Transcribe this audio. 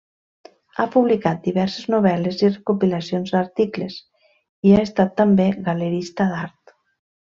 Ha publicat diverses novel·les i recopilacions d'articles, i ha estat també galerista d'art.